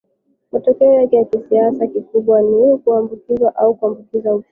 matokeo yake kwa kiasi kikubwa ni kuambukizwa au kuambukiza ukimwi